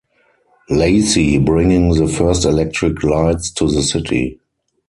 Lacey, bringing the first electric lights to the city.